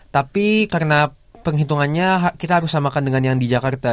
tapi karena penghitungannya kita harus samakan dengan yang di jakarta